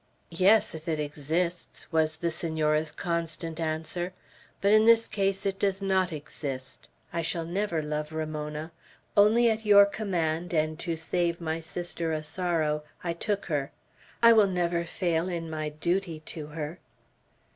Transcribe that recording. "Yes, if it exists," was the Senora's constant answer. "But in this case it does not exist. I shall never love Ramona. Only at your command, and to save my sister a sorrow, I took her. I will never fail in my duty to her."